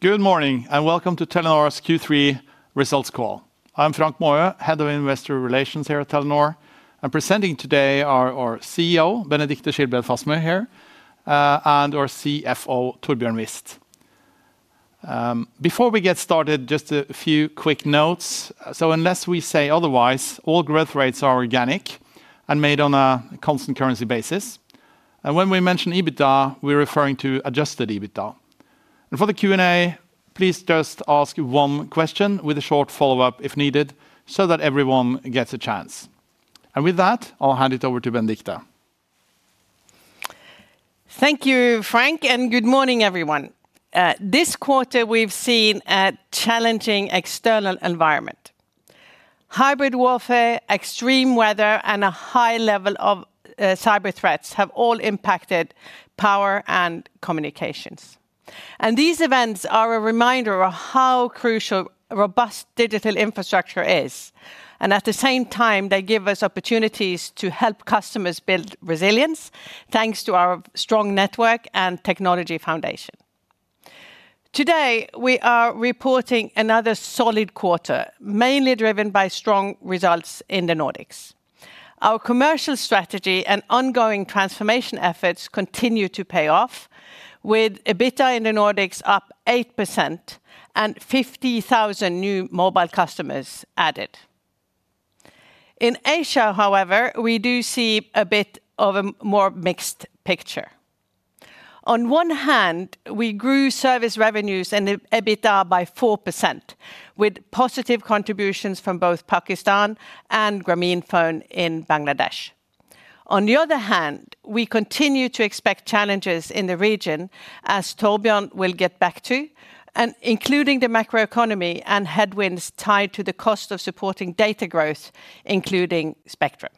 Good morning and welcome to Telenor's Q3 results call. I'm Frank Maaø, Head of Investor Relations here at Telenor. Presenting today are our CEO, Benedicte Schilbred Fasmer, and our CFO, Torbjørn Wist. Before we get started, just a few quick notes. Unless we say otherwise, all growth rates are organic and made on a constant currency basis. When we mention EBITDA, we're referring to adjusted EBITDA. For the Q&A, please just ask one question with a short follow-up if needed so that everyone gets a chance. With that, I'll hand it over to Benedicte. Thank you, Frank, and good morning, everyone. This quarter, we've seen a challenging external environment. Hybrid warfare, extreme weather, and a high level of cyber threats have all impacted power and communications. These events are a reminder of how crucial robust digital infrastructure is. At the same time, they give us opportunities to help customers build resilience, thanks to our strong network and technology foundation. Today, we are reporting another solid quarter, mainly driven by strong results in the Nordics. Our commercial strategy and ongoing transformation efforts continue to pay off, with EBITDA in the Nordics up 8% and 50,000 new mobile customers added. In Asia, however, we do see a bit of a more mixed picture. On one hand, we grew service revenues and EBITDA by 4%, with positive contributions from both Pakistan and Grameenphone in Bangladesh. On the other hand, we continue to expect challenges in the region, as Torbjørn will get back to, including the macroeconomy and headwinds tied to the cost of supporting data growth, including spectrum.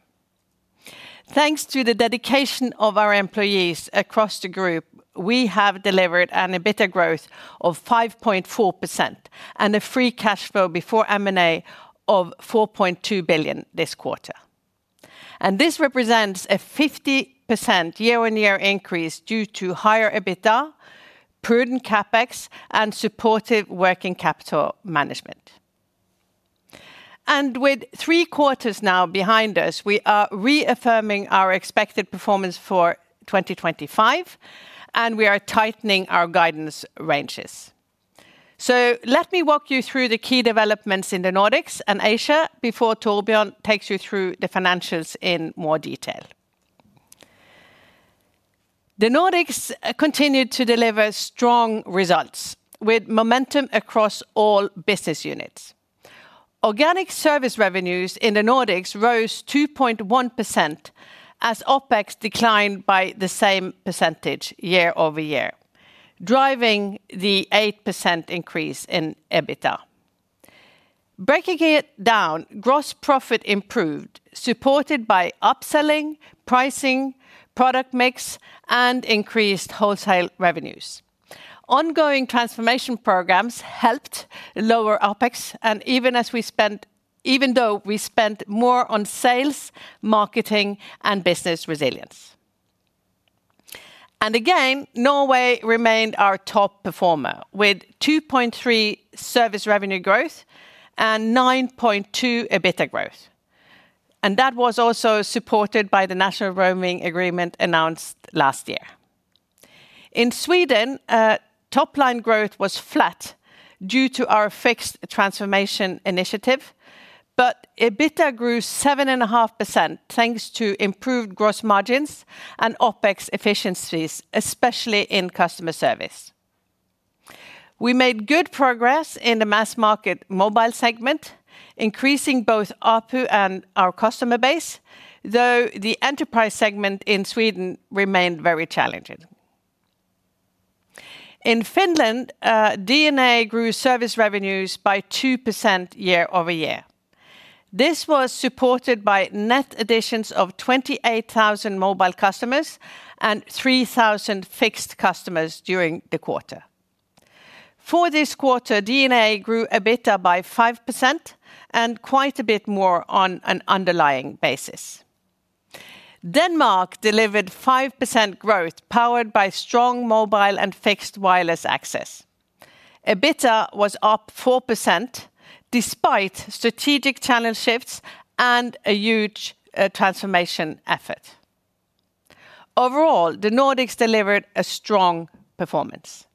Thanks to the dedication of our employees across the group, we have delivered an EBITDA growth of 5.4% and a free cash flow before M&A of 4.2 billion this quarter. This represents a 50% year-on-year increase due to higher EBITDA, prudent CapEx, and supportive working capital management. With three quarters now behind us, we are reaffirming our expected performance for 2025, and we are tightening our guidance ranges. Let me walk you through the key developments in the Nordics and Asia before Torbjørn takes you through the financials in more detail. The Nordics continue to deliver strong results, with momentum across all business units. Organic service revenues in the Nordics rose 2.1%, as OpEx declined by the same percentage year-over-year, driving the 8% increase in EBITDA. Breaking it down, gross profit improved, supported by upselling, pricing, product mix, and increased wholesale revenues. Ongoing transformation programs helped lower OpEx, even though we spent more on sales, marketing, and business resilience. Norway remained our top performer, with 2.3% service revenue growth and 9.2% EBITDA growth. That was also supported by the National Roaming Agreement announced last year. In Sweden, top-line growth was flat due to our fixed transformation initiative, but EBITDA grew 7.5% thanks to improved gross margins and OpEx efficiencies, especially in customer service. We made good progress in the mass-market mobile segment, increasing both ARPU and our customer base, though the enterprise segment in Sweden remained very challenging. In Finland, DNA grew service revenues by 2% year-over-year. This was supported by net additions of 28,000 mobile customers and 3,000 fixed customers during the quarter. For this quarter, DNA grew EBITDA by 5% and quite a bit more on an underlying basis. Denmark delivered 5% growth, powered by strong mobile and fixed wireless access. EBITDA was up 4% despite strategic channel shifts and a huge transformation effort. Overall, the Nordics delivered a strong performance.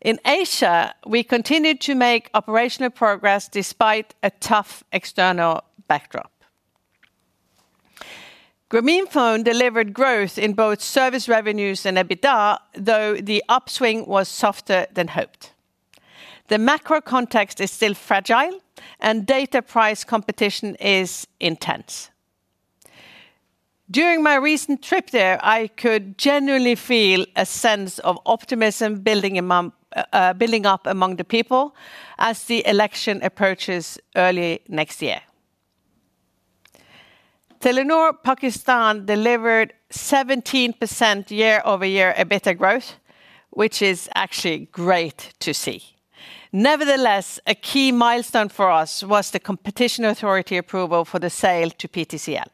In Asia, we continue to make operational progress despite a tough external backdrop. Grameenphone delivered growth in both service revenues and EBITDA, though the upswing was softer than hoped. The macro context is still fragile, and data price competition is intense. During my recent trip there, I could genuinely feel a sense of optimism building up among the people as the election approaches early next year. Telenor Pakistan delivered 17% year-over-year EBITDA growth, which is actually great to see. Nevertheless, a key milestone for us was the Competition Authority approval for the sale to PTCL.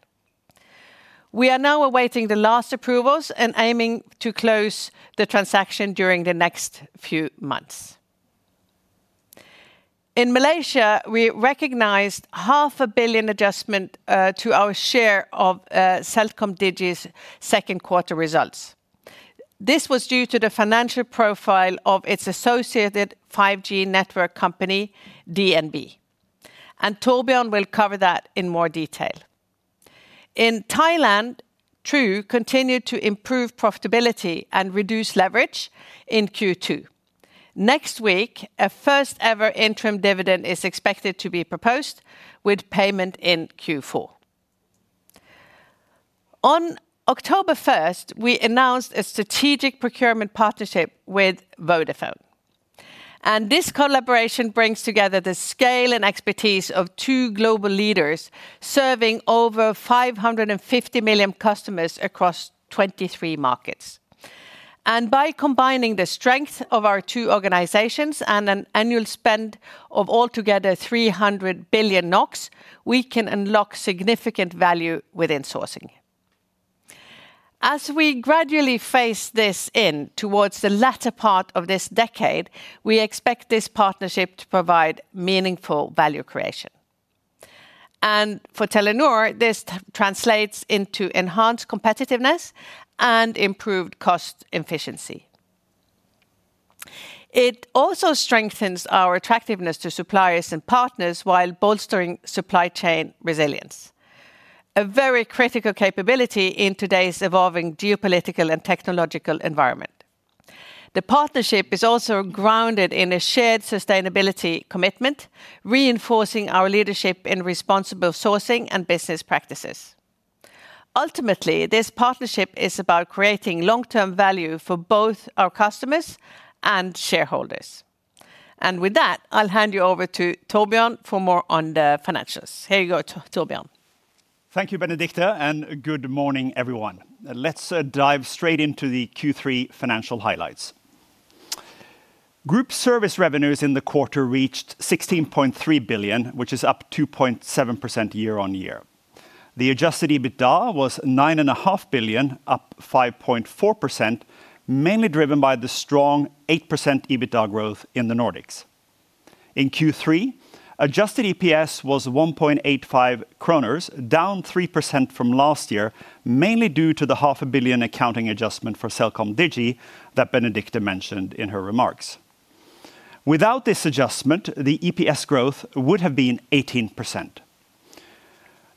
We are now awaiting the last approvals and aiming to close the transaction during the next few months. In Malaysia, we recognized half a billion adjustment to our share of CelcomDigi's second-quarter results. This was due to the financial profile of its associated 5G network company, DNB. Torbjørn will cover that in more detail. In Thailand, True continued to improve profitability and reduce leverage in Q2. Next week, a first-ever interim dividend is expected to be proposed with payment in Q4. On October 1st, we announced a strategic procurement partnership with Vodafone. This collaboration brings together the scale and expertise of two global leaders serving over 550 million customers across 23 markets. By combining the strength of our two organizations and an annual spend of altogether 300 billion NOK, we can unlock significant value within sourcing. As we gradually phase this in towards the latter part of this decade, we expect this partnership to provide meaningful value creation. For Telenor, this translates into enhanced competitiveness and improved cost efficiency. It also strengthens our attractiveness to suppliers and partners while bolstering supply chain resilience, a very critical capability in today's evolving geopolitical and technological environment. The partnership is also grounded in a shared sustainability commitment, reinforcing our leadership in responsible sourcing and business practices. Ultimately, this partnership is about creating long-term value for both our customers and shareholders. I'll hand you over to Torbjørn for more on the financials. Here you go, Torbjørn. Thank you, Benedicte, and good morning, everyone. Let's dive straight into the Q3 financial highlights. Group service revenues in the quarter reached 16.3 billion, which is up 2.7% year-on-year. The adjusted EBITDA was 9.5 billion, up 5.4%, mainly driven by the strong 8% EBITDA growth in the Nordics. In Q3, adjusted EPS was 1.85 kroner, down 3% from last year, mainly due to the half a billion accounting adjustment for CelcomDigi that Benedicte mentioned in her remarks. Without this adjustment, the EPS growth would have been 18%.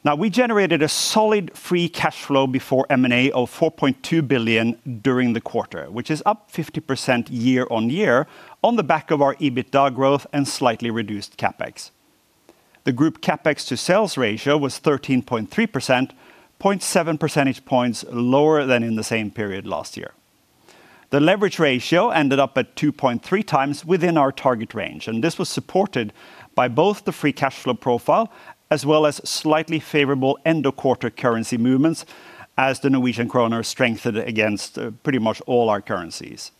Now, we generated a solid free cash flow before M&A of 4.2 billion during the quarter, which is up 50% year-on-year on the back of our EBITDA growth and slightly reduced CapEx. The group CapEx-to-sales ratio was 13.3%, 0.7 percentage points lower than in the same period last year. The leverage ratio ended up at 2.3x within our target range, and this was supported by both the free cash flow profile as well as slightly favorable end-of-quarter currency movements, as the Norwegian kroner strengthened against pretty much all our currencies.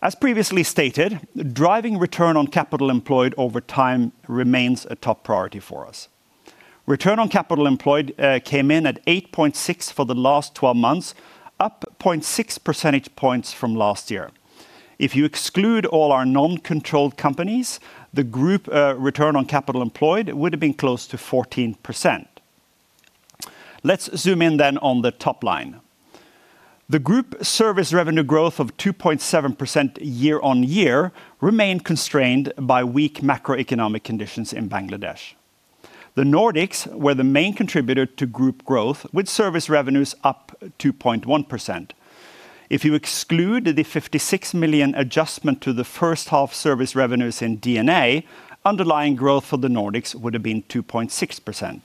As previously stated, driving return on capital employed over time remains a top priority for us. Return on capital employed came in at 8.6% for the last 12 months, up 0.6 percentage points from last year. If you exclude all our non-controlled companies, the group return on capital employed would have been close to 14%. Let's zoom in then on the top line. The group service revenue growth of 2.7% year-on-year remained constrained by weak macroeconomic conditions in Bangladesh. The Nordics were the main contributor to group growth, with service revenues up 2.1%. If you exclude the 56 million adjustment to the first half service revenues in DNA, underlying growth for the Nordics would have been 2.6%.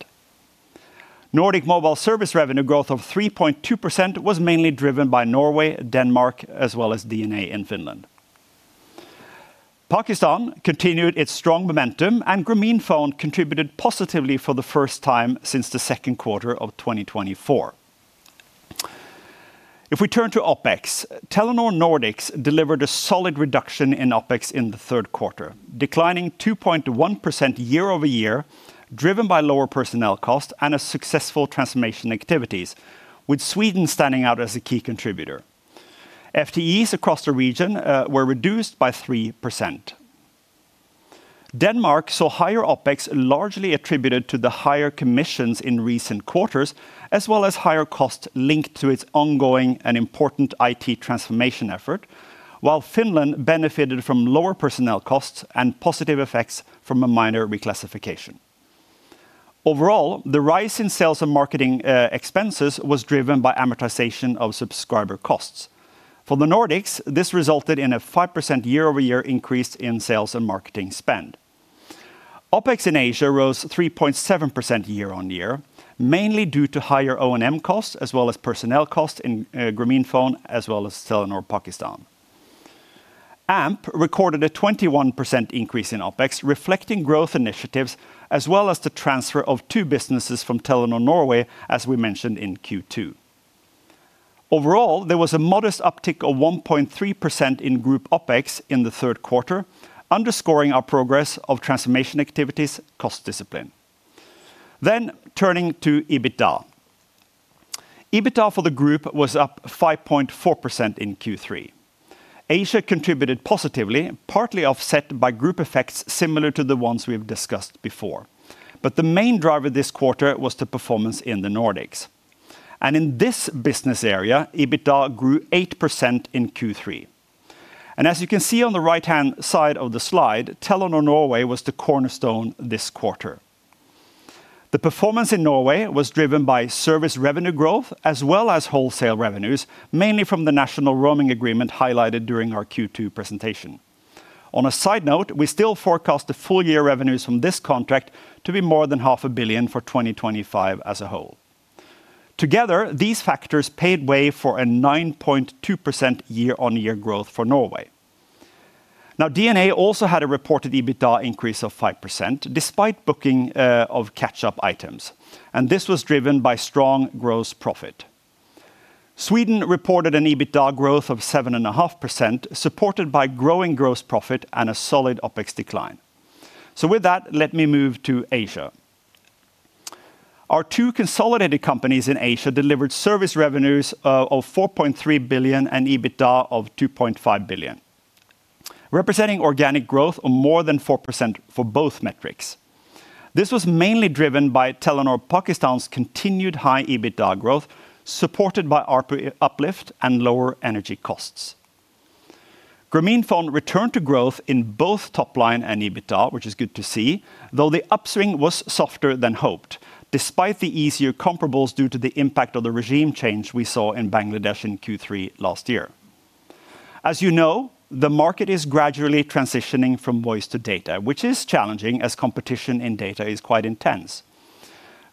Nordic mobile service revenue growth of 3.2% was mainly driven by Norway, Denmark, as well as DNA in Finland. Pakistan continued its strong momentum, and Grameenphone contributed positively for the first time since the second quarter of 2024. If we turn to OpEx, Telenor Nordics delivered a solid reduction in OpEx in the third quarter, declining 2.1% year-over-year, driven by lower personnel costs and successful transformation initiatives, with Sweden standing out as a key contributor. FTEs across the region were reduced by 3%. Denmark saw higher OpEx largely attributed to the higher commissions in recent quarters, as well as higher costs linked to its ongoing and important IT transformation effort, while Finland benefited from lower personnel costs and positive effects from a minor reclassification. Overall, the rise in sales and marketing expenses was driven by amortization of subscriber costs. For the Nordics, this resulted in a 5% year-over-year increase in sales and marketing spend. OpEx in Asia rose 3.7% year-on-year, mainly due to higher O&M costs, as well as personnel costs in Grameenphone, as well as Telenor Pakistan. Amp recorded a 21% increase in OpEx, reflecting growth initiatives, as well as the transfer of two businesses from Telenor Norway, as we mentioned in Q2. Overall, there was a modest uptick of 1.3% in group OpEx in the third quarter, underscoring our progress of transformation activities' cost discipline. Turning to EBITDA. EBITDA for the group was up 5.4% in Q3. Asia contributed positively, partly offset by group effects similar to the ones we've discussed before. The main driver this quarter was the performance in the Nordics. In this business area, EBITDA grew 8% in Q3. As you can see on the right-hand side of the slide, Telenor Norway was the cornerstone this quarter. The performance in Norway was driven by service revenue growth, as well as wholesale revenues, mainly from the National Roaming Agreement highlighted during our Q2 presentation. On a side note, we still forecast the full-year revenues from this contract to be more than half a billion for 2025 as a whole. Together, these factors paved the way for a 9.2% year-on-year growth for Norway. DNA also had a reported EBITDA increase of 5%, despite booking of catch-up items. This was driven by strong gross profit. Sweden reported an EBITDA growth of 7.5%, supported by growing gross profit and a solid OpEx decline. Let me move to Asia. Our two consolidated companies in Asia delivered service revenues of 4.3 billion and EBITDA of 2.5 billion, representing organic growth of more than 4% for both metrics. This was mainly driven by Telenor Pakistan's continued high EBITDA growth, supported by ARPU uplift and lower energy costs. Grameenphone returned to growth in both top line and EBITDA, which is good to see, though the upswing was softer than hoped, despite the easier comparables due to the impact of the regime change we saw in Bangladesh in Q3 last year. As you know, the market is gradually transitioning from voice to data, which is challenging as competition in data is quite intense.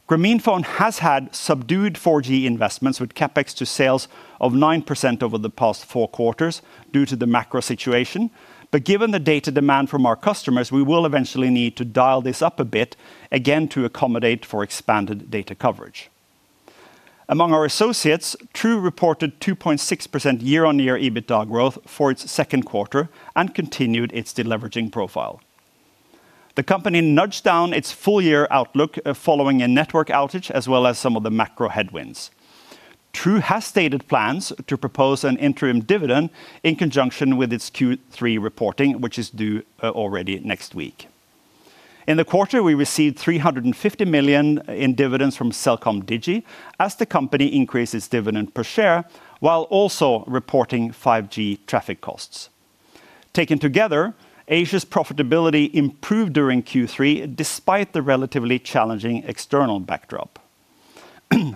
Grameenphone has had subdued 4G investments with CapEx to sales of 9% over the past four quarters due to the macro situation, but given the data demand from our customers, we will eventually need to dial this up a bit, again to accommodate for expanded data coverage. Among our associates, True reported 2.6% year-on-year EBITDA growth for its second quarter and continued its deleveraging profile. The company nudged down its full-year outlook following a network outage, as well as some of the macro headwinds. True has stated plans to propose an interim dividend in conjunction with its Q3 reporting, which is due already next week. In the quarter, we received 350 million in dividends from CelcomDigi, as the company increased its dividend per share while also reporting 5G traffic costs. Taken together, Asia's profitability improved during Q3, despite the relatively challenging external backdrop.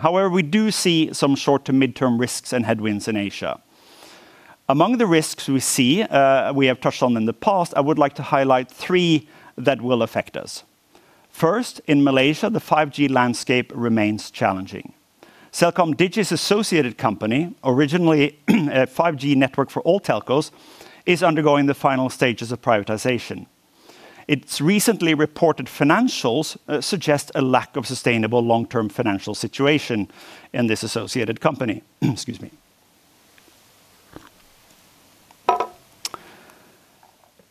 However, we do see some short-to-mid-term risks and headwinds in Asia. Among the risks we see, we have touched on in the past, I would like to highlight three that will affect us. First, in Malaysia, the 5G landscape remains challenging. CelcomDigi's associated company, originally a 5G network for all telcos, is undergoing the final stages of privatization. Its recently reported financials suggest a lack of sustainable long-term financial situation in this associated company. Excuse me.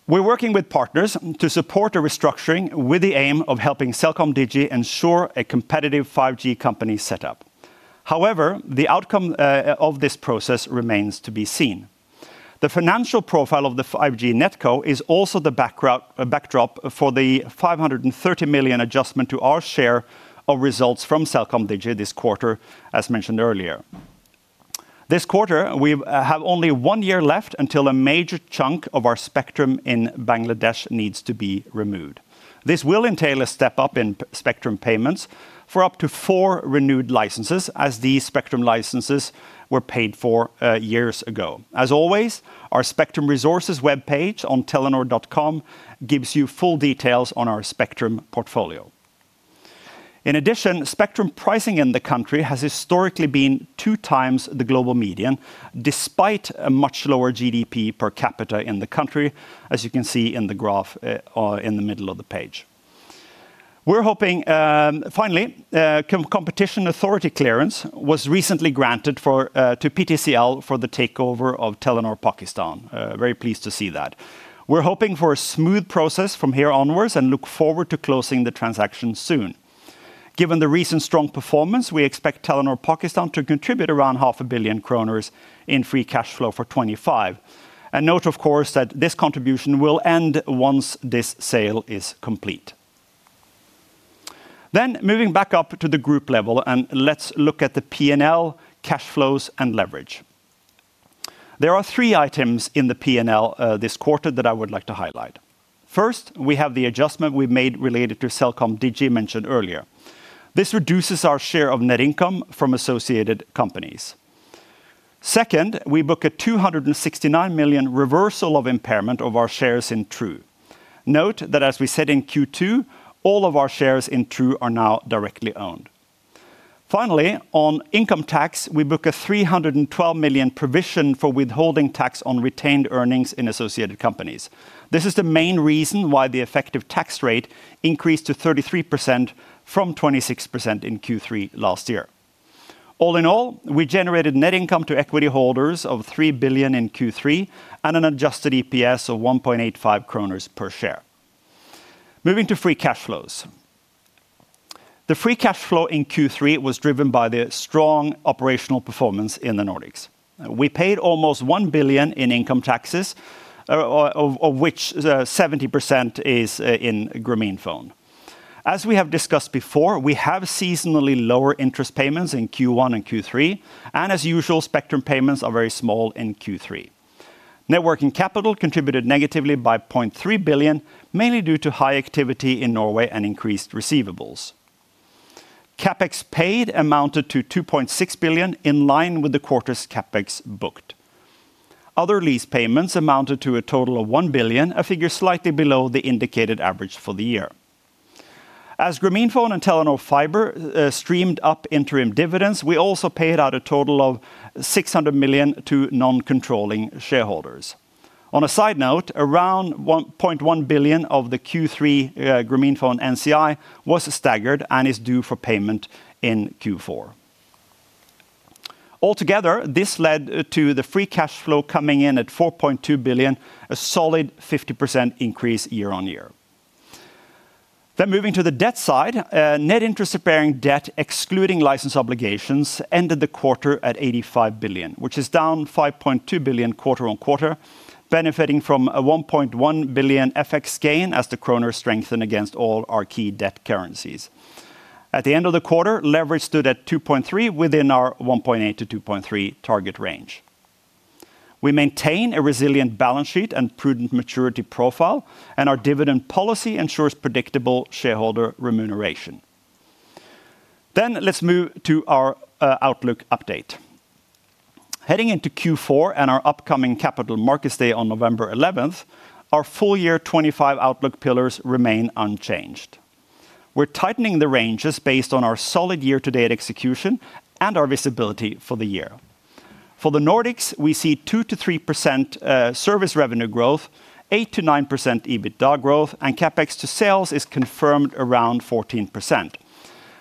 We're working with partners to support a restructuring with the aim of helping CelcomDigi ensure a competitive 5G company setup. However, the outcome of this process remains to be seen. The financial profile of the 5G net core is also the backdrop for the 530 million adjustment to our share of results from CelcomDigi this quarter, as mentioned earlier. This quarter, we have only one year left until a major chunk of our spectrum in Bangladesh needs to be renewed. This will entail a step up in spectrum payments for up to four renewed licenses, as these spectrum licenses were paid for years ago. As always, our spectrum resources webpage on telenor.com gives you full details on our spectrum portfolio. In addition, spectrum pricing in the country has historically been two times the global median, despite a much lower GDP per capita in the country, as you can see in the graph in the middle of the page. We're hoping, finally, Competition Authority clearance was recently granted to PTCL for the takeover of Telenor Pakistan. Very pleased to see that. We're hoping for a smooth process from here onwards and look forward to closing the transaction soon. Given the recent strong performance, we expect Telenor Pakistan to contribute around 0.5 billion kroner in free cash flow for 2025. Note, of course, that this contribution will end once this sale is complete. Moving back up to the group level, let's look at the P&L, cash flows, and leverage. There are three items in the P&L this quarter that I would like to highlight. First, we have the adjustment we made related to CelcomDigi mentioned earlier. This reduces our share of net income from associated companies. Second, we book a 269 million reversal of impairment of our shares in True. Note that as we said in Q2, all of our shares in True are now directly owned. Finally, on income tax, we book a 312 million provision for withholding tax on retained earnings in associated companies. This is the main reason why the effective tax rate increased to 33% from 26% in Q3 last year. All in all, we generated net income to equity holders of 3 billion in Q3 and an adjusted EPS of 1.85 kroner per share. Moving to free cash flows. The free cash flow in Q3 was driven by the strong operational performance in the Nordics. We paid almost 1 billion in income taxes, of which 70% is in Grameenphone. As we have discussed before, we have seasonally lower interest payments in Q1 and Q3, and as usual, spectrum payments are very small in Q3. Net working capital contributed negatively by 0.3 billion, mainly due to high activity in Norway and increased receivables. CapEx paid amounted to 2.6 billion, in line with the quarter's CapEx booked. Other lease payments amounted to a total of 1 billion, a figure slightly below the indicated average for the year. As Grameenphone and Telenor Fiber streamed up interim dividends, we also paid out a total of 600 million to non-controlling shareholders. On a side note, around 1.1 billion of the Q3 Grameenphone NCI was staggered and is due for payment in Q4. Altogether, this led to the free cash flow coming in at 4.2 billion, a solid 50% increase year-on-year. Moving to the debt side, net interest-bearing debt, excluding license obligations, ended the quarter at 85 billion, which is down 5.2 billion quarter on quarter, benefiting from a 1.1 billion FX gain, as the kroners strengthened against all our key debt currencies. At the end of the quarter, leverage stood at 2.3, within our 1.8-2.3 target range. We maintain a resilient balance sheet and prudent maturity profile, and our dividend policy ensures predictable shareholder remuneration. Let's move to our Outlook update. Heading into Q4 and our upcoming Capital Markets Day on November 11th, our full-year 2025 Outlook pillars remain unchanged. We're tightening the ranges based on our solid year-to-date execution and our visibility for the year. For the Nordics, we see 2%-3% service revenue growth, 8%-9% EBITDA growth, and CapEx to sales is confirmed around 14%.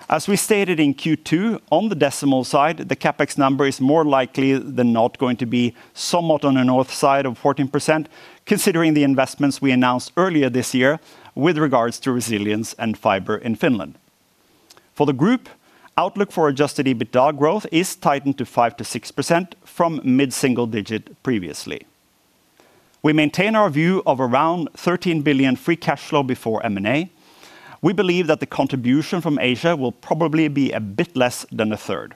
As we stated in Q2, on the decimal side, the CapEx number is more likely than not going to be somewhat on the north side of 14%, considering the investments we announced earlier this year with regards to resilience and fiber in Finland. For the group, Outlook for adjusted EBITDA growth is tightened to 5%-6% from mid-single digit previously. We maintain our view of around 13 billion free cash flow before M&A. We believe that the contribution from Asia will probably be a bit less than a third.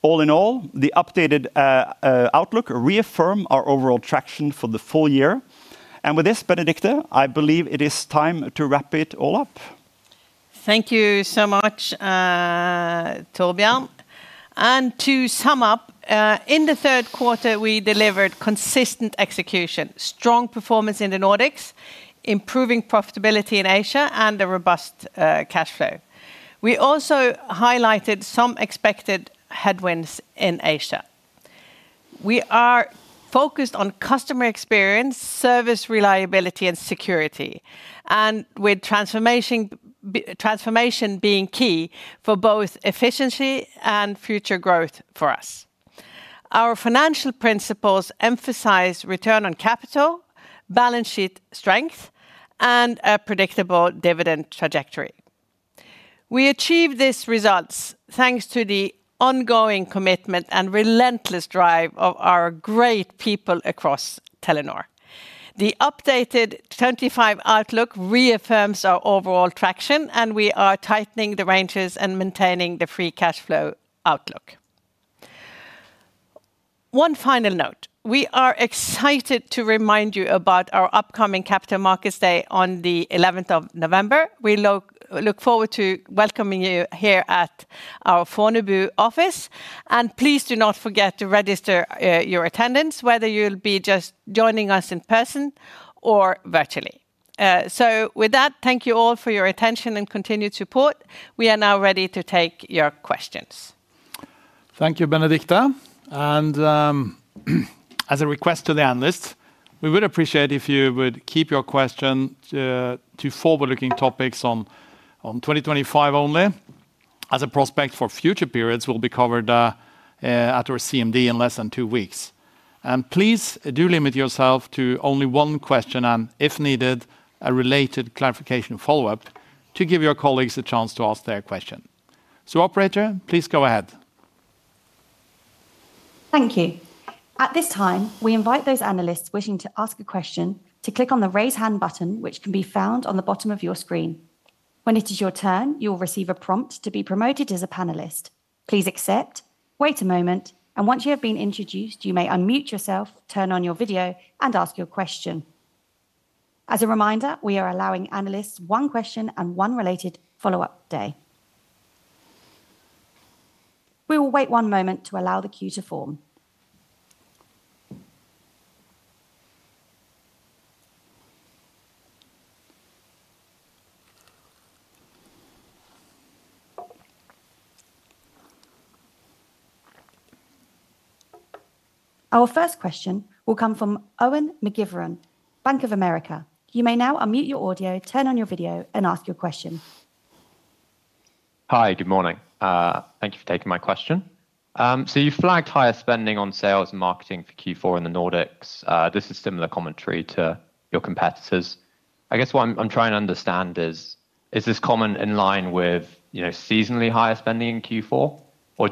All in all, the updated Outlook reaffirms our overall traction for the full year. With this, Benedicte, I believe it is time to wrap it all up. Thank you so much, Torbjørn. To sum up, in the third quarter, we delivered consistent execution, strong performance in the Nordics, improving profitability in Asia, and a robust cash flow. We also highlighted some expected headwinds in Asia. We are focused on customer experience, service reliability, and security, with transformation being key for both efficiency and future growth for us. Our financial principles emphasize return on capital, balance sheet strength, and a predictable dividend trajectory. We achieve these results thanks to the ongoing commitment and relentless drive of our great people across Telenor. The updated 2025 Outlook reaffirms our overall traction, and we are tightening the ranges and maintaining the free cash flow Outlook. One final note. We are excited to remind you about our upcoming Capital Markets Day on the 11th of November. We look forward to welcoming you here at our Fornebu office. Please do not forget to register your attendance, whether you'll be joining us in person or virtually. Thank you all for your attention and continued support. We are now ready to take your questions. Thank you, Benedicte. As a request to the analysts, we would appreciate if you would keep your questions to forward-looking topics on 2025 only, as a prospect for future periods will be covered at our CMD in less than two weeks. Please do limit yourself to only one question and, if needed, a related clarification follow-up to give your colleagues a chance to ask their question. Operator, please go ahead. Thank you. At this time, we invite those analysts wishing to ask a question to click on the Raise Hand button, which can be found on the bottom of your screen. When it is your turn, you will receive a prompt to be promoted as a panelist. Please accept, wait a moment, and once you have been introduced, you may unmute yourself, turn on your video, and ask your question. As a reminder, we are allowing analysts one question and one related follow-up today. We will wait one moment to allow the queue to form. Our first question will come from [Owen McGivern], Bank of America. You may now unmute your audio, turn on your video, and ask your question. Hi, good morning. Thank you for taking my question. You flagged higher spending on sales and marketing for Q4 in the Nordics. This is similar commentary to your competitors. I guess what I'm trying to understand is, is this comment in line with seasonally higher spending in Q4?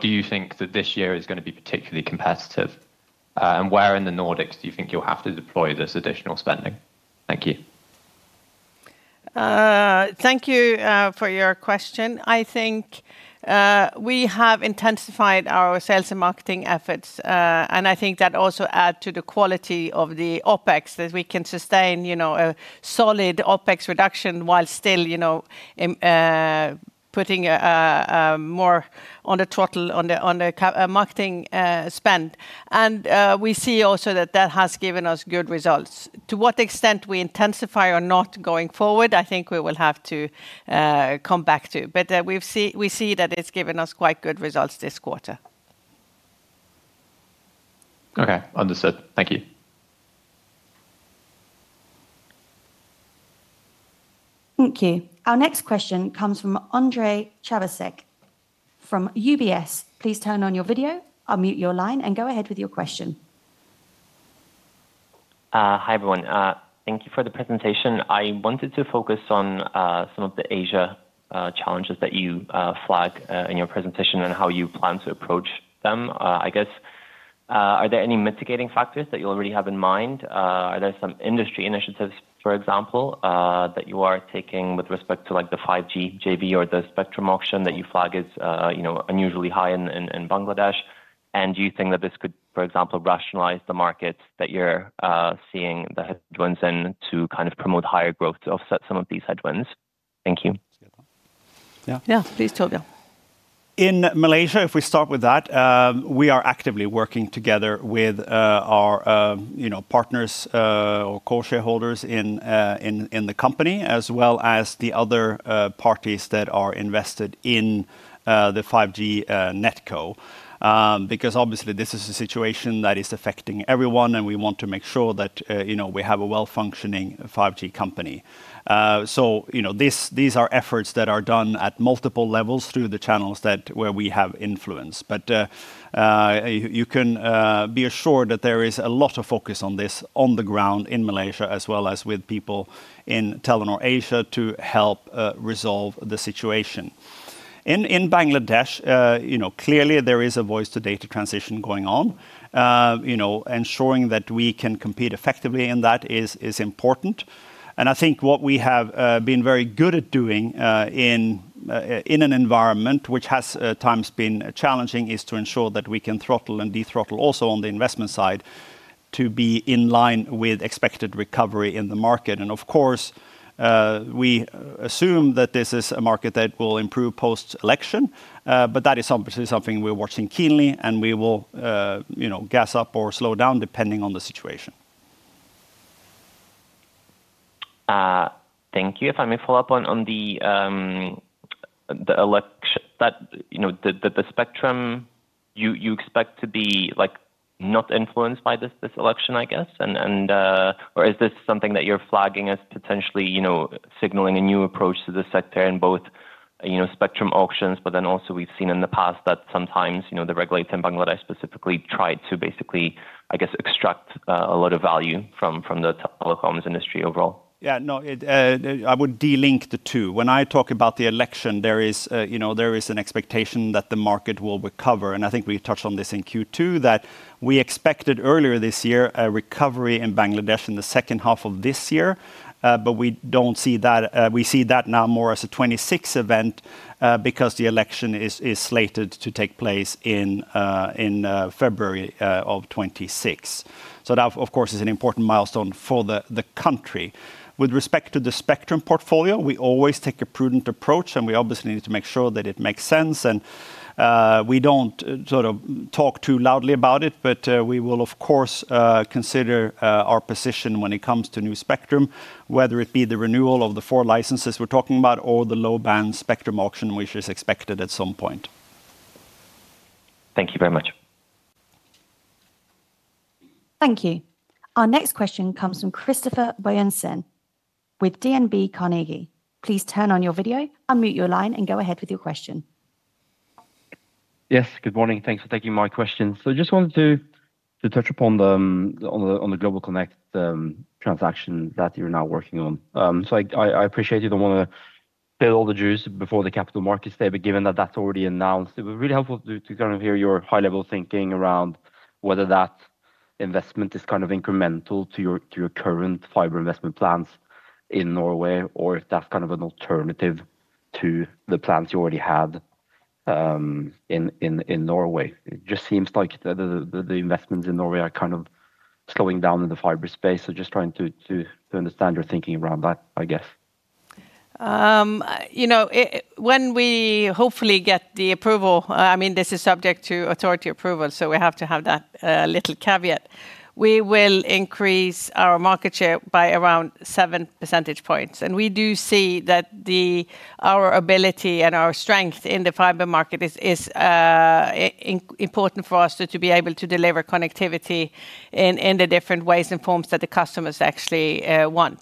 Do you think that this year is going to be particularly competitive? Where in the Nordics do you think you'll have to deploy this additional spending? Thank you. Thank you for your question. I think we have intensified our sales and marketing efforts, and I think that also adds to the quality of the OpEx that we can sustain, you know, a solid OpEx reduction while still, you know, putting more on the throttle on the marketing spend. We see also that that has given us good results. To what extent we intensify or not going forward, I think we will have to come back to. We see that it's given us quite good results this quarter. Okay, understood. Thank you. Thank you. Our next question comes from Ondrej Cabejsek from UBS. Please turn on your video, unmute your line, and go ahead with your question. Hi, everyone. Thank you for the presentation. I wanted to focus on some of the Asia challenges that you flag in your presentation and how you plan to approach them. I guess, are there any mitigating factors that you already have in mind? Are there some industry initiatives, for example, that you are taking with respect to like the 5G JV or the spectrum auction that you flag as unusually high in Bangladesh? Do you think that this could, for example, rationalize the markets that you're seeing the headwinds in to kind of promote higher growth to offset some of these headwinds? Thank you. Yeah. Yeah, please, Torbjørn. In Malaysia, if we start with that, we are actively working together with our partners or co-shareholders in the company, as well as the other parties that are invested in the 5G network core, because obviously this is a situation that is affecting everyone, and we want to make sure that we have a well-functioning 5G company. These are efforts that are done at multiple levels through the channels where we have influence. You can be assured that there is a lot of focus on this on the ground in Malaysia, as well as with people in Telenor Asia to help resolve the situation. In Bangladesh, clearly there is a voice-to-data transition going on. Ensuring that we can compete effectively in that is important. I think what we have been very good at doing in an environment which has at times been challenging is to ensure that we can throttle and de-throttle also on the investment side to be in line with expected recovery in the market. We assume that this is a market that will improve post-election, but that is obviously something we're watching keenly, and we will gas up or slow down depending on the situation. Thank you. If I may follow up on the election, that the spectrum, you expect to be like not influenced by this election, I guess? Or is this something that you're flagging as potentially, you know, signaling a new approach to the sector in both, you know, spectrum auctions, but then also we've seen in the past that sometimes, you know, the regulators in Bangladesh specifically try to basically, I guess, extract a lot of value from the telecoms industry overall? Yeah, no, I would delink the two. When I talk about the election, there is, you know, there is an expectation that the market will recover, and I think we touched on this in Q2, that we expected earlier this year a recovery in Bangladesh in the second half of this year, but we don't see that. We see that now more as a 2026 event because the election is slated to take place in February of 2026. That, of course, is an important milestone for the country. With respect to the spectrum portfolio, we always take a prudent approach, and we obviously need to make sure that it makes sense, and we don't sort of talk too loudly about it, but we will, of course, consider our position when it comes to new spectrum, whether it be the renewal of the four licenses we're talking about or the low-band spectrum auction, which is expected at some point. Thank you very much. Thank you. Our next question comes from Christoffer Bjørnsen with DNB Carnegie. Please turn on your video, unmute your line, and go ahead with your question. Yes, good morning. Thanks for taking my question. I just wanted to touch upon the GlobalConnect transaction that you're now working on. I appreciate it. I don't want to spill all the juice before the Capital Markets Day, but given that that's already announced, it was really helpful to kind of hear your high-level thinking around whether that investment is kind of incremental to your current fiber investment plans in Norway, or if that's kind of an alternative to the plans you already had in Norway. It just seems like the investments in Norway are kind of slowing down in the fiber space. I'm just trying to understand your thinking around that, I guess. You know, when we hopefully get the approval, I mean, this is subject to authority approval, so we have to have that little caveat. We will increase our market share by around 7%. We do see that our ability and our strength in the fiber market is important for us to be able to deliver connectivity in the different ways and forms that the customers actually want.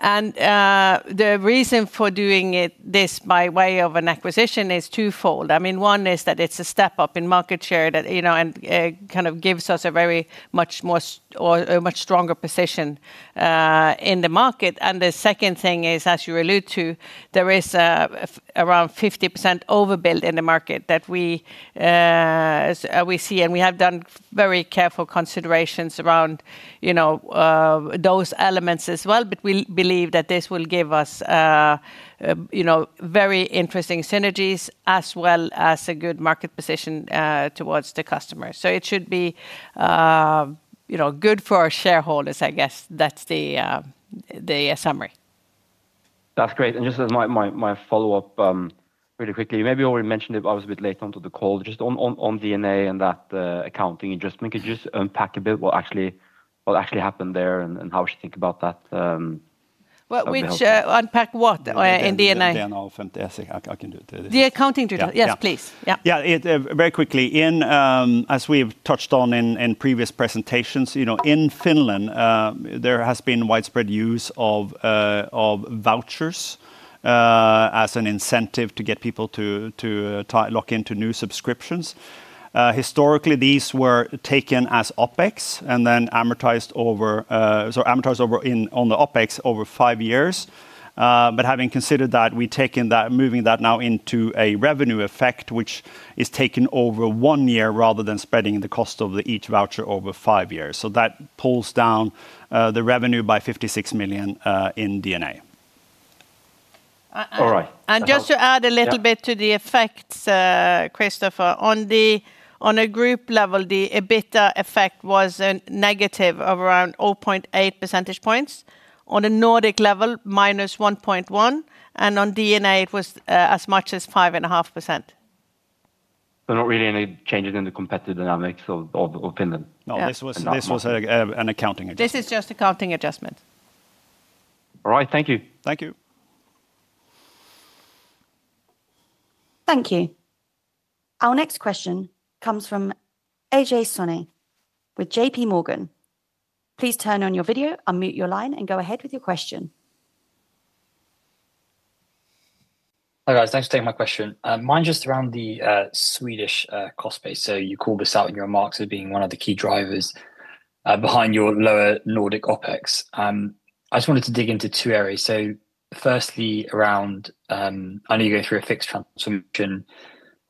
The reason for doing this by way of an acquisition is twofold. One is that it's a step up in market share that, you know, kind of gives us a very much more or a much stronger position in the market. The second thing is, as you alluded to, there is around 50% overbuild in the market that we see, and we have done very careful considerations around those elements as well, but we believe that this will give us very interesting synergies as well as a good market position towards the customer. It should be good for our shareholders, I guess. That's the summary. That's great. Just as my follow-up really quickly, you maybe already mentioned it, but I was a bit late onto the call, just on DNA and that accounting adjustment. Could you just unpack a bit what actually happened there and how we should think about that? Which unpack what in DNA? The accounting details, yes, please. Yeah, very quickly, as we've touched on in previous presentations, you know, in Finland, there has been widespread use of vouchers as an incentive to get people to lock into new subscriptions. Historically, these were taken as OpEx and then amortized over, amortized over on the OpEx over five years. Having considered that, we've taken that, moving that now into a revenue effect, which is taken over one year rather than spreading the cost of each voucher over five years. That pulls down the revenue by 56 million in DNA. To add a little bit to the effects, Christoffer, on a group level, the EBITDA effect was negative of around 0.8%. On a Nordic level, -1.1%, and on DNA, it was as much as 5.5%. are not really any changes in the competitive dynamics of Finland. No, this was an accounting adjustment. This is just an accounting adjustment. All right, thank you. Thank you. Thank you. Our next question comes from Ajay Soni with JPMorgan. Please turn on your video, unmute your line, and go ahead with your question. Hi, guys. Thanks for taking my question. Mine's just around the Swedish cost base. You called this out in your remarks as being one of the key drivers behind your lower Nordic OpEx. I just wanted to dig into two areas. Firstly, I know you go through a fixed transmission,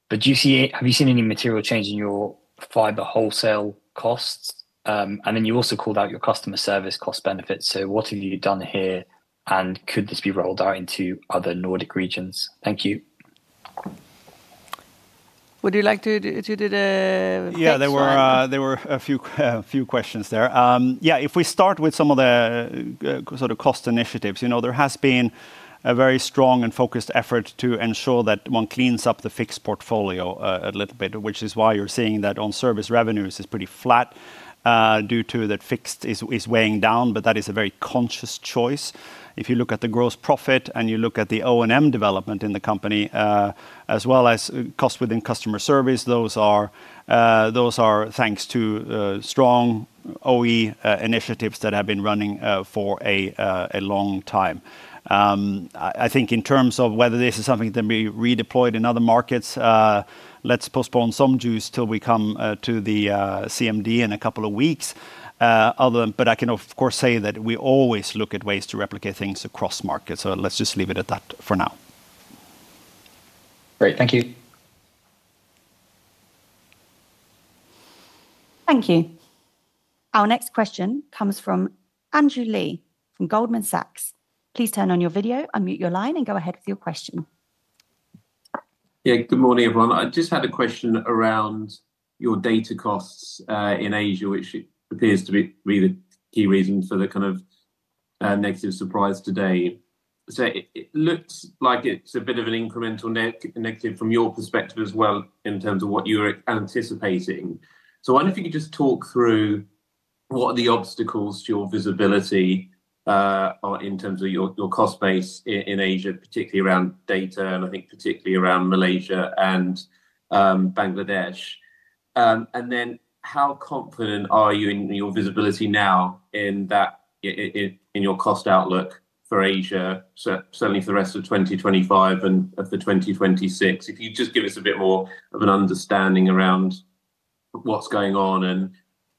but have you seen any material change in your fiber wholesale costs? You also called out your customer service cost benefits. What have you done here, and could this be rolled out into other Nordic regions? Thank you. or should I continue? I can go ahead if you prefer. Yeah, there were a few questions there. If we start with some of the sort of cost initiatives, there has been a very strong and focused effort to ensure that one cleans up the fixed portfolio a little bit, which is why you're seeing that on service revenues is pretty flat due to that fixed is weighing down, but that is a very conscious choice. If you look at the gross profit and you look at the O&M development in the company, as well as costs within customer service, those are thanks to strong OE initiatives that have been running for a long time. I think in terms of whether this is something that can be redeployed in other markets, let's postpone some juice till we come to the CMD in a couple of weeks. I can, of course, say that we always look at ways to replicate things across markets, so let's just leave it at that for now. Great, thank you. Thank you. Our next question comes from Andrew Lee from Goldman Sachs. Please turn on your video, unmute your line, and go ahead with your question. Yeah, good morning, everyone. I just had a question around your data costs in Asia, which appears to be the key reason for the kind of negative surprise today. It looks like it's a bit of an incremental negative from your perspective as well in terms of what you were anticipating. I wonder if you could just talk through what the obstacles to your visibility are in terms of your cost base in Asia, particularly around data, and I think particularly around Malaysia and Bangladesh. How confident are you in your visibility now in your cost outlook for Asia, certainly for the rest of 2025 and for 2026? If you could just give us a bit more of an understanding around what's going on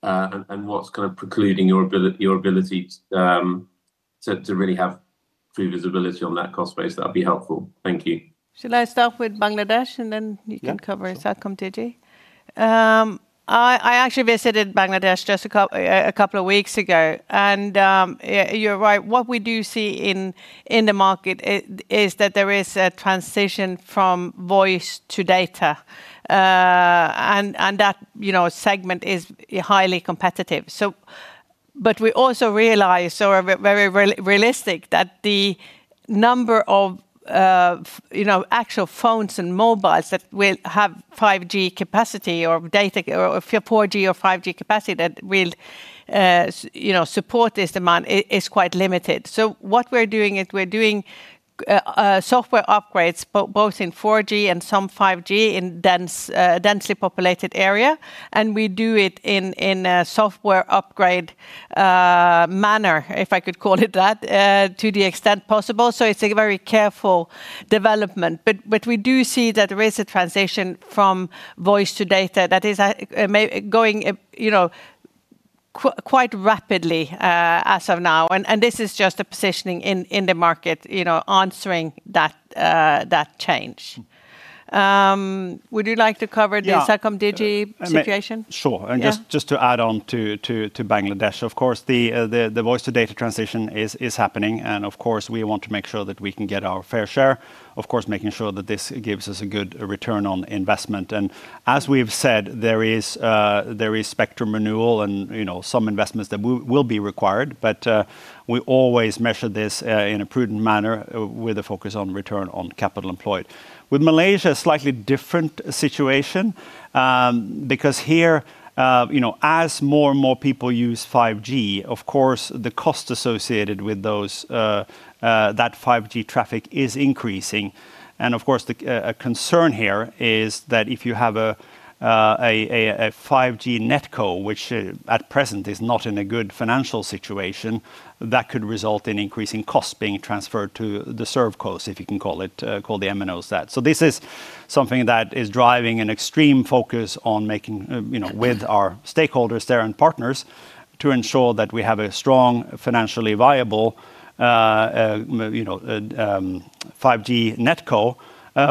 and what's kind of precluding your ability to really have true visibility on that cost base, that would be helpful. Thank you. Should I start with Bangladesh and then you can cover CelcomDigi? I actually visited Bangladesh just a couple of weeks ago, and you're right. What we do see in the market is that there is a transition from voice to data, and that segment is highly competitive. We also realize, so we're very realistic, that the number of actual phones and mobiles that will have 5G capacity or 4G or 5G capacity that will support this demand is quite limited. What we're doing is we're doing software upgrades both in 4G and some 5G in a densely populated area, and we do it in a software upgrade manner, if I could call it that, to the extent possible. It's a very careful development. We do see that there is a transition from voice to data that is going quite rapidly as of now, and this is just a positioning in the market, you know, answering that change. Would you like to cover the CelcomDigi situation? Sure, and just to add on to Bangladesh, of course, the voice-to-data transition is happening, and of course, we want to make sure that we can get our fair share, of course, making sure that this gives us a good return on investment. As we've said, there is spectrum renewal and some investments that will be required, but we always measure this in a prudent manner with a focus on return on capital employed. With Malaysia, it's a slightly different situation, because here, you know, as more and more people use 5G, the cost associated with that 5G traffic is increasing. The concern here is that if you have a 5G network core, which at present is not in a good financial situation, that could result in increasing costs being transferred to the service cores, if you can call the MNOs that. This is something that is driving an extreme focus on making, you know, with our stakeholders there and partners to ensure that we have a strong, financially viable 5G network core,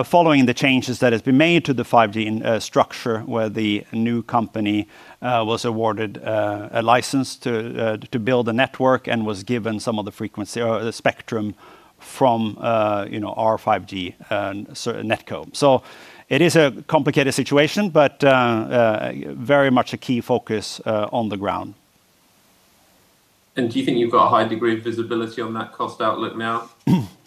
following the changes that have been made to the 5G structure where the new company was awarded a license to build a network and was given some of the frequency or the spectrum from our 5G network core. It is a complicated situation, but very much a key focus on the ground. Do you think you've got a high degree of visibility on that cost outlook now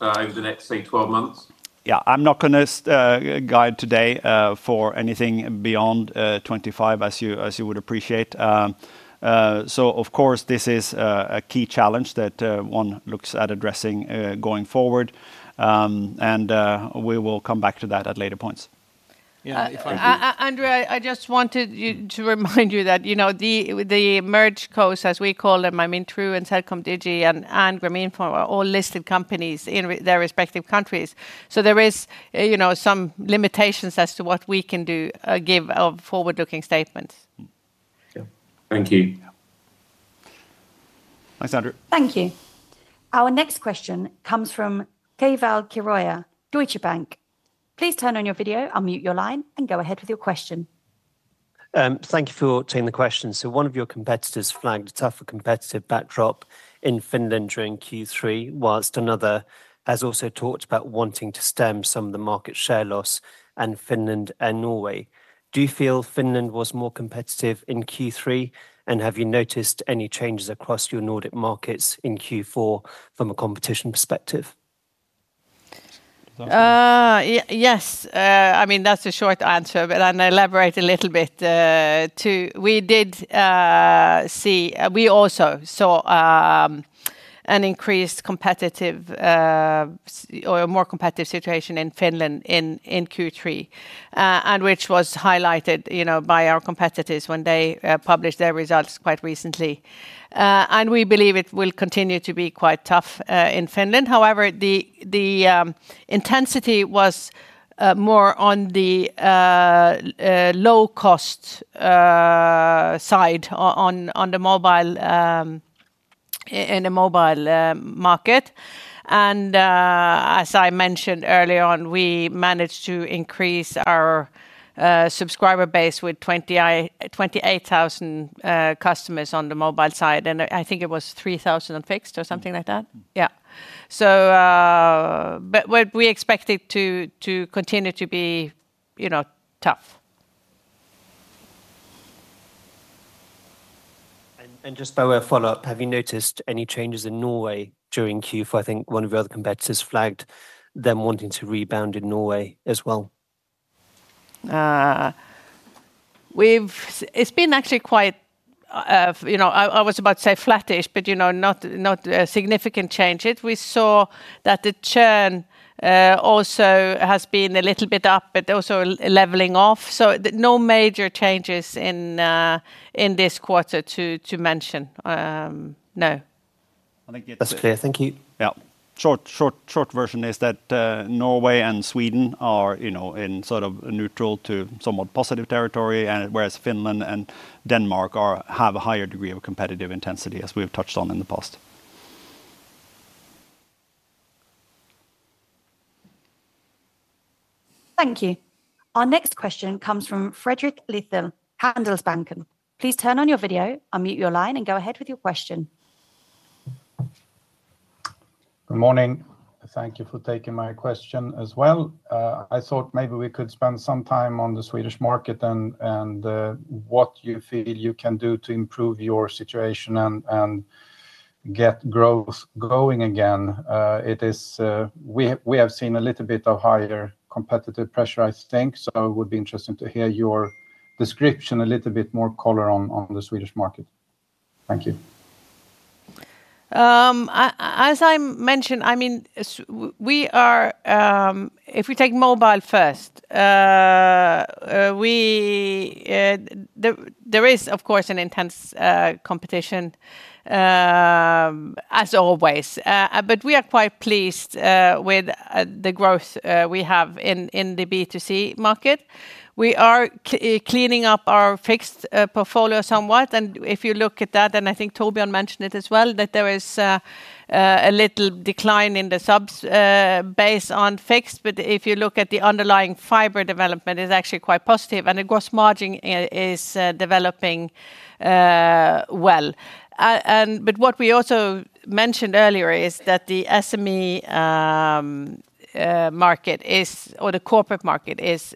over the next, say, 12 months? Yeah, I'm not going to guide today for anything beyond 2025, as you would appreciate. Of course, this is a key challenge that one looks at addressing going forward, and we will come back to that at later points. Andrew, I just wanted to remind you that, you know, the merge cores, as we call them, I mean True, CelcomDigi, and Grameenphone, are all listed companies in their respective countries. There is, you know, some limitations as to what we can do, give a forward-looking statement. Thank you. Thanks, Andrew. Thank you. Our next question comes from Keval Khiroya, Deutsche Bank. Please turn on your video, unmute your line, and go ahead with your question. Thank you for taking the question. One of your competitors flagged a tougher competitive backdrop in Finland during Q3, whilst another has also talked about wanting to stem some of the market share loss in Finland and Norway. Do you feel Finland was more competitive in Q3, and have you noticed any changes across your Nordic markets in Q4 from a competition perspective? Yes, I mean, that's a short answer, but I'll elaborate a little bit too. We did see, we also saw an increased competitive or a more competitive situation in Finland in Q3, which was highlighted, you know, by our competitors when they published their results quite recently. We believe it will continue to be quite tough in Finland. However, the intensity was more on the low-cost side in the mobile market. As I mentioned earlier on, we managed to increase our subscriber base with 28,000 customers on the mobile side, and I think it was 3,000 on fixed or something like that. Yeah. We expect it to continue to be, you know, tough. By way of follow-up, have you noticed any changes in Norway during Q4? I think one of your other competitors flagged them wanting to rebound in Norway as well. It's been actually quite, you know, I was about to say flattish, but not a significant change. We saw that the churn also has been a little bit up, but also leveling off. No major changes in this quarter to mention. No. That's clear. Thank you. Yeah, short version is that Norway and Sweden are, you know, in sort of neutral to somewhat positive territory, whereas Finland and Denmark have a higher degree of competitive intensity, as we've touched on in the past. Thank you. Our next question comes from Fredrik Lithell, Handelsbanken. Please turn on your video, unmute your line, and go ahead with your question. Good morning. Thank you for taking my question as well. I thought maybe we could spend some time on the Swedish market and what you feel you can do to improve your situation and get growth going again. We have seen a little bit of higher competitive pressure, I think, so it would be interesting to hear your description, a little bit more color on the Swedish market. Thank you. As I mentioned, I mean, we are, if we take mobile first, there is, of course, an intense competition, as always, but we are quite pleased with the growth we have in the B2C market. We are cleaning up our fixed portfolio somewhat, and if you look at that, and I think Torbjørn mentioned it as well, there is a little decline in the subs based on fixed, but if you look at the underlying fiber development, it's actually quite positive, and the gross margin is developing well. What we also mentioned earlier is that the SME market is, or the corporate market is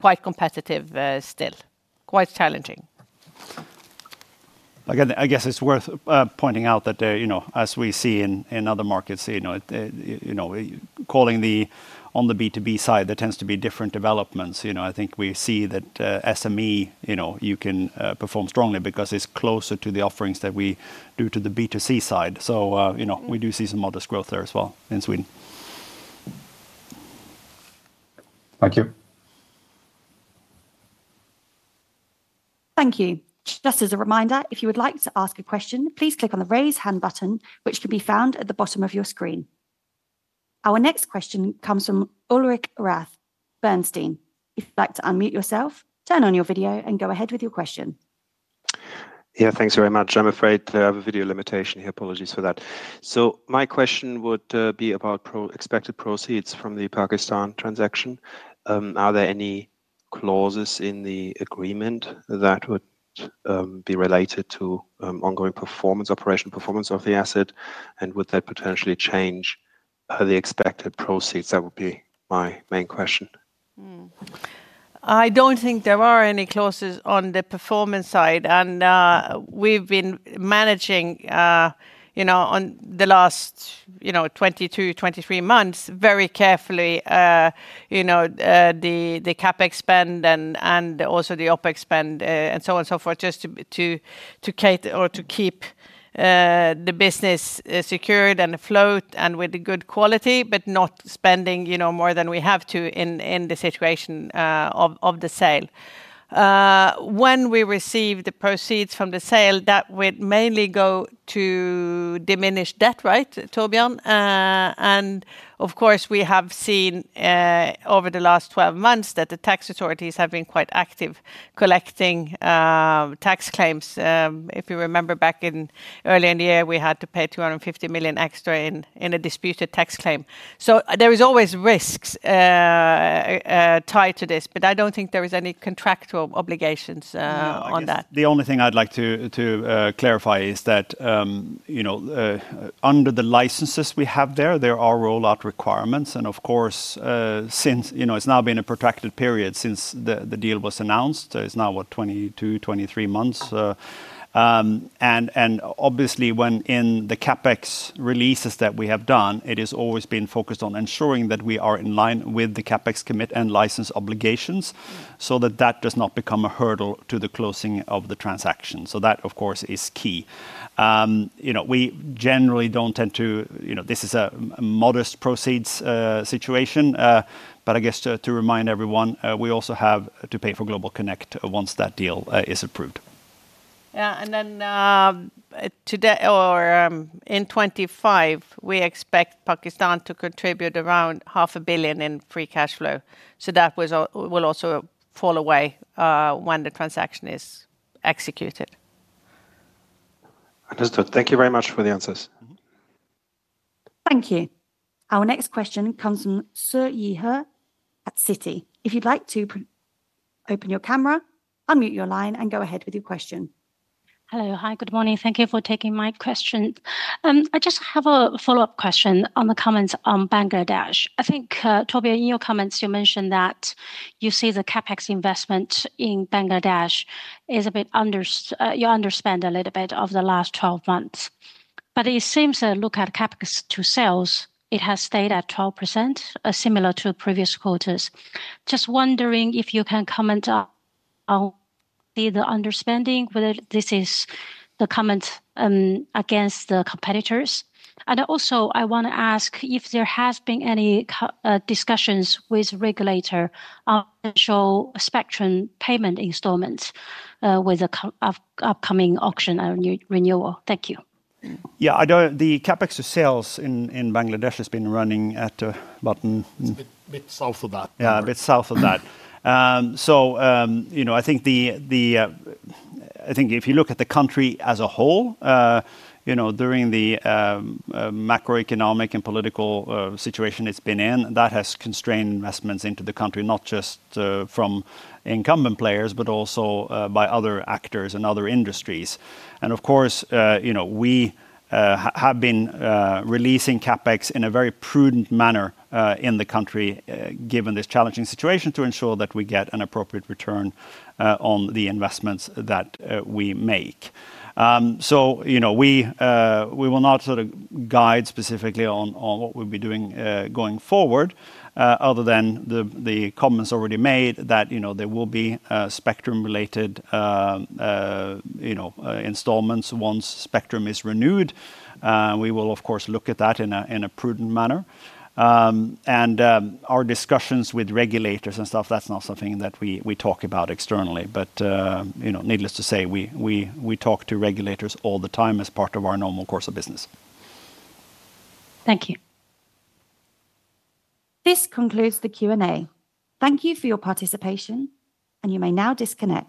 quite competitive still, quite challenging. I guess it's worth pointing out that, as we see in other markets, calling the on the B2B side, there tends to be different developments. I think we see that SME, you can perform strongly because it's closer to the offerings that we do to the B2C side. We do see some modest growth there as well in Sweden. Thank you. Thank you. Just as a reminder, if you would like to ask a question, please click on the Raise Hand button, which can be found at the bottom of your screen. Our next question comes from Ulrich Rathe, Bernstein. If you'd like to unmute yourself, turn on your video, and go ahead with your question. Yeah, thanks very much. I'm afraid I have a video limitation here. Apologies for that. My question would be about expected proceeds from the Pakistan transaction. Are there any clauses in the agreement that would be related to ongoing performance, operational performance of the asset, and would that potentially change the expected proceeds? That would be my main question. I don't think there are any clauses on the performance side, and we've been managing, you know, on the last 22, 23 months very carefully, you know, the CapEx spend and also the OpEx spend and so on and so forth, just to keep the business secured and afloat and with good quality, but not spending more than we have to in the situation of the sale. When we receive the proceeds from the sale, that would mainly go to diminish debt, right, Torbjørn? Of course, we have seen over the last 12 months that the tax authorities have been quite active collecting tax claims. If you remember back in early in the year, we had to pay 250 million extra in a disputed tax claim. There are always risks tied to this, but I don't think there are any contractual obligations on that. The only thing I'd like to clarify is that, under the licenses we have there, there are rollout requirements. Of course, since it's now been a protracted period since the deal was announced, it's now what, 22, 23 months. Obviously, in the CapEx releases that we have done, it has always been focused on ensuring that we are in line with the CapEx commit and license obligations so that does not become a hurdle to the closing of the transaction. That, of course, is key. We generally don't tend to, this is a modest proceeds situation, but I guess to remind everyone, we also have to pay for GlobalConnect once that deal is approved. Yeah, and then in 2025, we expect Pakistan to contribute around 0.5 billion in free cash flow. That will also fall away when the transaction is executed. Understood. Thank you very much for the answers. Thank you. Our next question comes from Siyi He at Citi. If you'd like to open your camera, unmute your line, and go ahead with your question. Hello. Hi, good morning. Thank you for taking my question. I just have a follow-up question on the comments on Bangladesh. I think, Torbjørn, in your comments, you mentioned that you see the CapEx investment in Bangladesh is a bit under, you underspent a little bit over the last 12 months. It seems to look at CapEx to sales, it has stayed at 12%, similar to previous quarters. Just wondering if you can comment on the underspending, whether this is the comment against the competitors. I also want to ask if there have been any discussions with the regulator on the Spectrum payment installments with the upcoming auction and renewal. Thank you. Yeah, I don't, the CapEx to sales in Bangladesh has been running at about. It's a bit south of that. Yeah, a bit south of that. I think if you look at the country as a whole, during the macroeconomic and political situation it's been in, that has constrained investments into the country, not just from incumbent players, but also by other actors and other industries. Of course, we have been releasing CapEx in a very prudent manner in the country, given this challenging situation, to ensure that we get an appropriate return on the investments that we make. We will not sort of guide specifically on what we'll be doing going forward, other than the comments already made that there will be spectrum-related installments once spectrum is renewed. We will, of course, look at that in a prudent manner. Our discussions with regulators and stuff, that's not something that we talk about externally. Needless to say, we talk to regulators all the time as part of our normal course of business. Thank you. This concludes the Q&A. Thank you for your participation, and you may now disconnect.